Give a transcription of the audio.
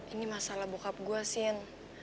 ini masalah bokap gue sih